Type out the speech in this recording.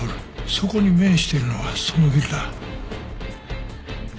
そこに面してるのはそのビルだ。